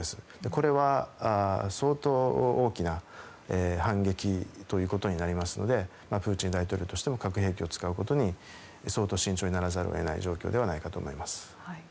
これは相当大きな反撃ということになりますのでプーチン大統領としても核兵器を使うことに相当慎重にならざるを得ない状況ではないかと思います。